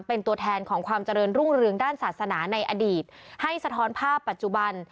เป็นตัวแทนของความเจริญรุ่งเรืองด้านศาสนาในอดีตให้สะท้อนภาพปัจจุบัน